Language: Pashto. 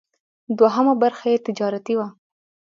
دوهمه برخه یې تجارتي وه.